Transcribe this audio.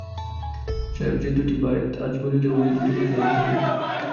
সাহেব, যে দুইটি বয়েৎ আজ বলিলে, ওই দুইটি লিখিয়া দিতে হইবে।